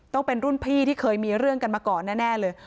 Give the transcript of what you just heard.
ต้องเป็นรุ่นพี่ที่เคยมีเรื่องกันมาก่อนแน่เลย